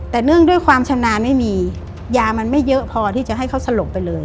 แต่เนื่องด้วยความชำนาญไม่มียามันไม่เยอะพอที่จะให้เขาสลบไปเลย